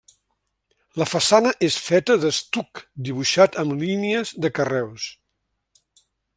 La façana és feta d'estuc dibuixat amb línies de carreus.